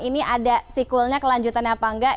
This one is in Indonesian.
ini ada sequelnya kelanjutannya apa enggak